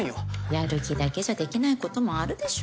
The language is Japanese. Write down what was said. やる気だけじゃできないこともあるでしょ。